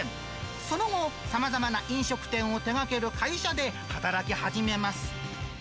その後、さまざまな飲食店を手がける会社で働き始めます。